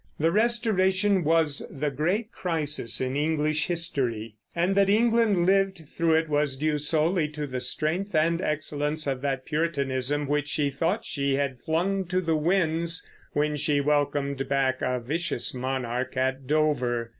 The Restoration was the great crisis in English history; and that England lived through it was due solely to the strength and excellence of that Puritanism which she thought she had flung to the winds when she welcomed back a vicious monarch at Dover.